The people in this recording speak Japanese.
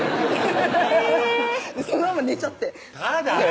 えぇそのまま寝ちゃって任記！